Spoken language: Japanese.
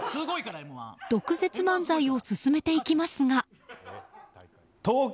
毒舌漫才を進めていきますが。